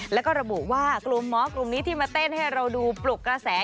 แล้วก็ระบุว่ากลุ่มหมอกลุ่มนี้ที่มาเต้นให้เราดูปลุกกระแส